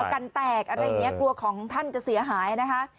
กันแตกอะไรอย่างนี้กลัวของท่านจะเสียหายนะคะ